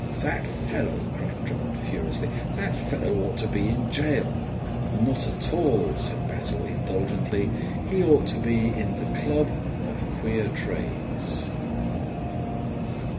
"That fellow," cried Drummond furiously, "that fellow ought to be in gaol." "Not at all," said Basil indulgently; "he ought to be in the Club of Queer Trades."